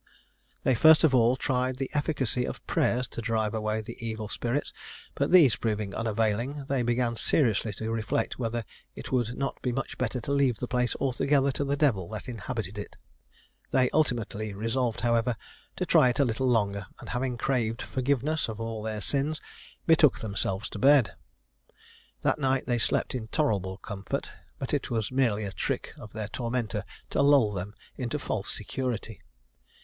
They first of all tried the efficacy of prayers to drive away the evil spirits; but these proving unavailing, they began seriously to reflect whether it would not be much better to leave the place altogether to the devil that inhabited it. They ultimately resolved, however, to try it a little longer; and having craved forgiveness of all their sins, betook themselves to bed. That night they slept in tolerable comfort, but it was merely a trick of their tormentor to lull them into false security.